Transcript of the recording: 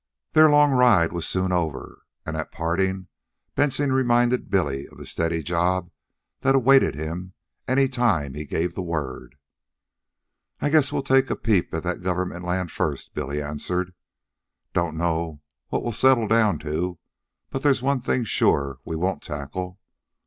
Their long ride was soon over, and at parting Benson reminded Billy of the steady job that awaited him any time he gave the word. "I guess we'll take a peep at that government land first," Billy answered. "Don't know what we'll settle down to, but there's one thing sure we won't tackle."